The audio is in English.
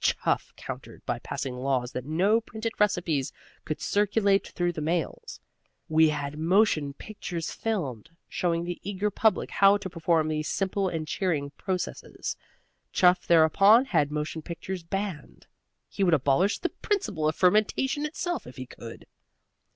Chuff countered by passing laws that no printed recipes could circulate through the mails. We had motion pictures filmed, showing the eager public how to perform these simple and cheering processes. Chuff thereupon had motion pictures banned. He would abolish the principle of fermentation itself if he could.